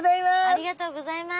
ありがとうございます！